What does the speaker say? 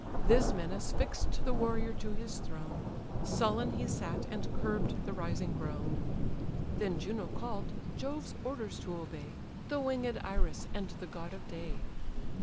This menace fix'd the warrior to his throne; Sullen he sat, and curb'd the rising groan. Then Juno call'd (Jove's orders to obey) The winged Iris, and the god of day.